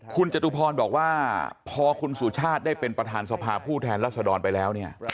คุณจตุพรบอกว่าพอคุณสุชาติได้เป็นประธานสภาผู้แทนรัศดรไปแล้วเนี่ย